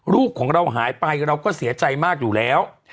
ลูกของเราหายไปเราก็เสียใจมากอยู่แล้ว